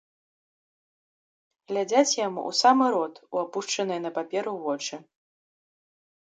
Глядзяць яму ў самы рот, у апушчаныя на паперу вочы.